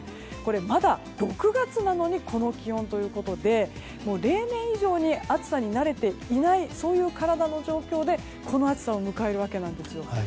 まだ６月なのにこの気温ということで例年以上に暑さに慣れていない体の状況でこの暑さを迎えるわけなんですよ。